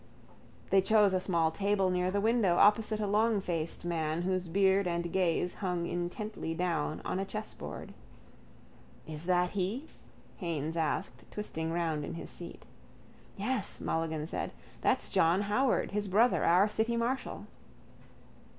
They chose a small table near the window, opposite a longfaced man whose beard and gaze hung intently down on a chessboard. —Is that he? Haines asked, twisting round in his seat. —Yes, Mulligan said. That's John Howard, his brother, our city marshal.